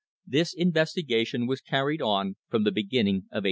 This inves tigation was carried on from the beginning of 1879.